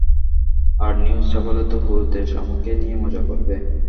আর news ছাপালে তো পুরো দেশ আমাকে নিয়ে মজা করবে।